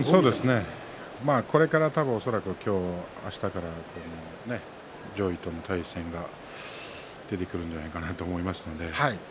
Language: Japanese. これから多分恐らく今日、あしたから上位との対戦が出てくるんじゃないかなと思いますので。